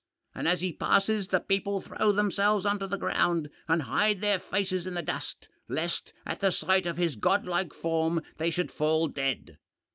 And as he passes the people throw themselves on to the ground and hide their faces in the dust, lest, at the sight of his godlike form, they should fall dead.